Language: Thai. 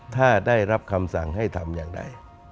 ถ้าได้รับคำสั่งให้ทำอย่างใด